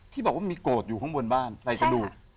ที่บอกว่ามีโกรธอยู่ข้างบนบ้านใส่กระดูก